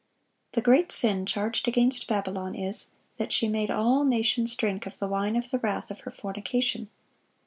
"(640) The great sin charged against Babylon is, that she "made all nations drink of the wine of the wrath of her fornication."